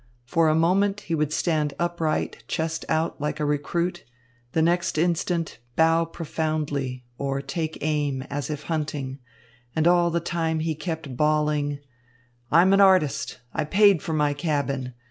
For a moment he would stand upright, chest out, like a recruit, the next instant bow profoundly, or take aim, as if hunting; and all the time he kept bawling: "I'm an artist. I paid for my cabin.